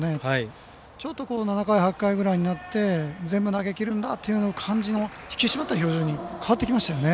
ちょっと７回８回ぐらいになって全部、投げきるんだという感じの引き締まった表情に変わってきましたよね。